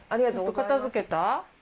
片付けた？